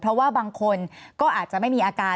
เพราะว่าบางคนก็อาจจะไม่มีอาการ